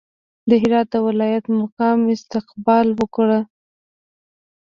د هرات د ولایت مقام استقبال وکړ.